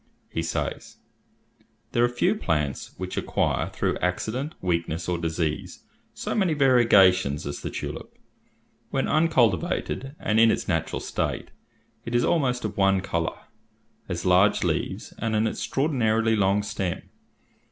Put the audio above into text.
He says, "There are few plants which acquire, through accident, weakness, or disease, so many variegations as the tulip. When uncultivated, and in its natural state, it is almost of one colour, has large leaves, and an extraordinarily long stem.